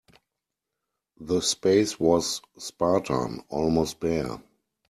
The space was spartan, almost bare.